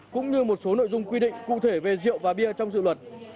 cũng như một số nội dung quy định cụ thể về rượu và bia trong dự luật